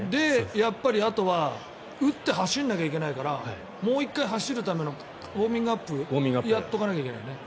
やっぱりあとは打って走らなきゃいけないからもう１回走るためのウォーミングアップをやっとかないといけないね。